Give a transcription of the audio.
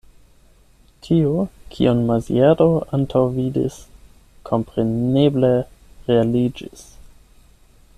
Tio, kion Maziero antaŭvidis, kompreneble realiĝis.